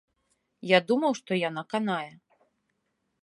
Я думаў, што яна канае.